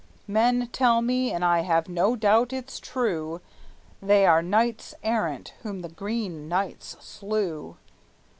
Men tell me and I have no doubt it's true They are knights errant whom the Green Knight slew!